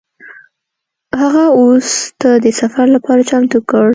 هغه اس ته د سفر لپاره چمتو کړ.